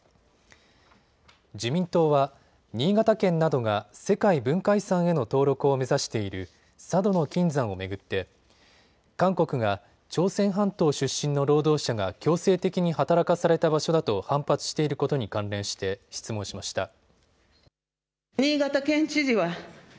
自民党は新潟県などが世界文化遺産への登録を目指している佐渡島の金山を巡って韓国が朝鮮半島出身の労働者が強制的に働かされた場所だと反発していることに関連して質問しました。